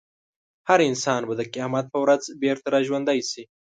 هر انسان به د قیامت په ورځ بېرته راژوندی شي.